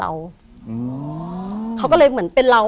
มันกลายเป็นว่า